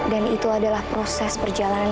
dan itu adalah proses perjalanan